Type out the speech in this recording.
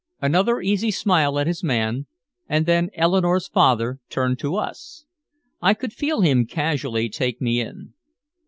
Another easy smile at his man, and then Eleanore's father turned to us. I could feel him casually take me in.